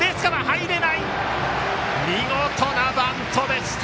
見事なバントでした。